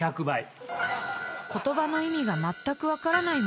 ［言葉の意味がまったく分からない